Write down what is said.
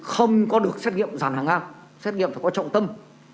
không có được xét nghiệm dàn hàng ngang xét nghiệm phải có trọng tâm